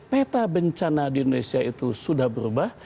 peta bencana di indonesia itu sudah berubah